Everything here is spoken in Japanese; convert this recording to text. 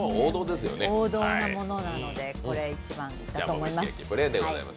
王道のものなので、これが１番だと思います。